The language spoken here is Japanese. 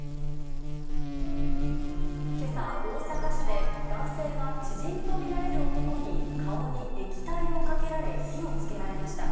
けさ、大阪市で、男性が知人と見られる男に顔に液体をかけられ火をつけられました。